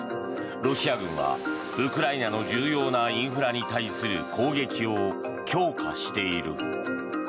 ロシア軍はウクライナの重要なインフラに対する攻撃を強化している。